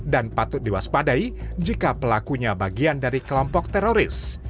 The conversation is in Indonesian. dan patut diwaspadai jika pelakunya bagian dari kelompok teroris